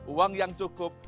uang yang cukup